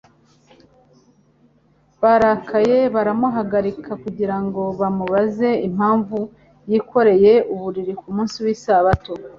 Barakaye, baramuhagarika kugira ngo bamubaze impamvu yikoreye uburiri ku munsi w'isabato.